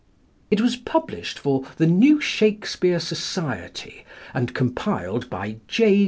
It was published for "The New Shakespeare Society," and compiled by J.